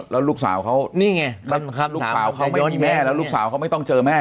แล้วลูกสาวเขานี่ไงลูกสาวเขาไม่มีแม่แล้วลูกสาวเขาไม่ต้องเจอแม่